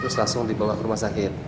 terus langsung dibawa ke rumah sakit